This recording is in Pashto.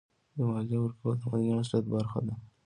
د مالیې ورکول د مدني مسؤلیت برخه ده.